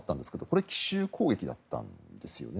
これ奇襲攻撃だったんですよね。